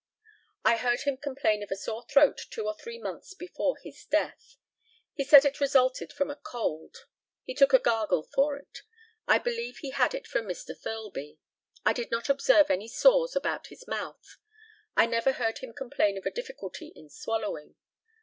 I heard him complain of a sore throat two or three months before his death. He said it resulted from cold. He took a gargle for it. I believe he had it from Mr. Thirlby. I did not observe any sores about his mouth. I never heard him complain of a difficulty in swallowing.